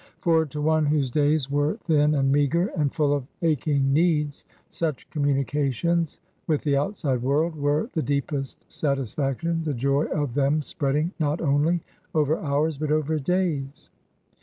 For to one whose days were thin and meagre and full of aching needs such communications with the outside world were the deepest satisfaction, the joy of them spreading not only over hours but over days.